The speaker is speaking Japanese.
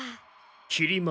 きり丸。